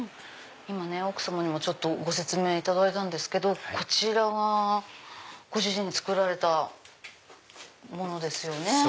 今奥様にもご説明いただいたんですけどこちらがご主人作られたものですよね。